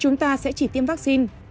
chúng ta sẽ chỉ tiêm vaccine